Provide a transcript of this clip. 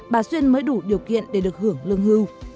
bà xuyên mới đủ điều kiện để được hưởng lương hưu